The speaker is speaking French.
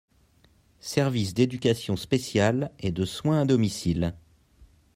service d'éducation spéciale et de soins à domicile.